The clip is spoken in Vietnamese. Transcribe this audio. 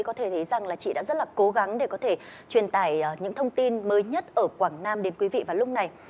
có thể thấy rằng là chị đã rất là cố gắng để có thể truyền tải những thông tin mới nhất ở quảng nam đến quý vị vào lúc này